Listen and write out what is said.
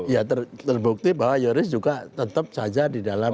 ya terbukti bahwa yoris juga tetap saja di dalam